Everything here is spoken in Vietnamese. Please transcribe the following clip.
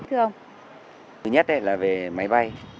thứ nhất là về máy bay